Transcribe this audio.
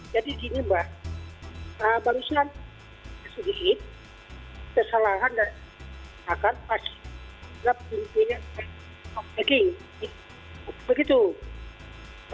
jadi di nyebah barusan sedikit kesalahan dan kesalahan pas